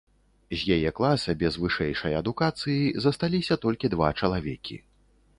З яе класа без вышэйшай адукацыі засталіся толькі два чалавекі.